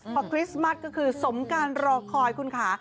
พอคริสต์มัสก็คือสมการรอคอยคุณค่ะ